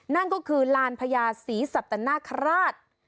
นั่นก็คือลานพญาศรีสัตนคราช